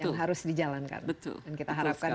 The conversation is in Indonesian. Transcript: yang harus dijalankan betul